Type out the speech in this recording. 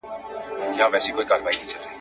او د خلکو ټول ژوندون په توکل وو !.